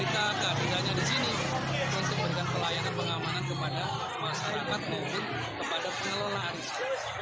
kita gabungannya di sini untuk memberikan pelayanan pengamanan kepada masyarakat maupun kepada penyelenggara arisan